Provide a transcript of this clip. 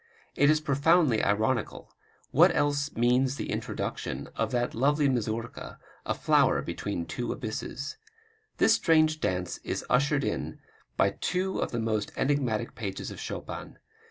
It is profoundly ironical what else means the introduction of that lovely mazurka, "a flower between two abysses"? This strange dance is ushered in by two of the most enigmatic pages of Chopin.